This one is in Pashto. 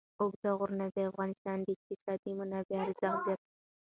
اوږده غرونه د افغانستان د اقتصادي منابعو ارزښت زیاتوي.